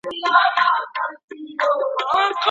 حنبلي فقهاء د عاقل ماشوم طلاق واقع ګڼي.